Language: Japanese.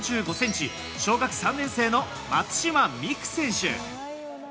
小学３年生の松島美空選手。